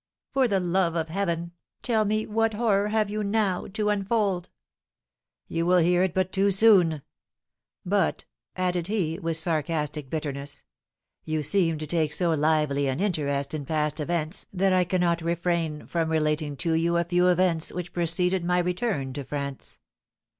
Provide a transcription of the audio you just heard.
"For the love of heaven, tell me what horror have you now to unfold?" "You will hear it but too soon! But," added he, with sarcastic bitterness, "you seem to take so lively an interest in past events that I cannot refrain from relating to you a few events which preceded my return to France.